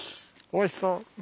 おいしそう。